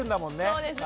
そうですね。